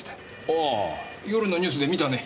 ああ夜のニュースで見たね。